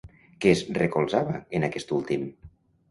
Què es recolzava en aquest últim?